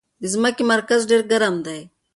د ځمکې مرکز ډېر ګرم دی.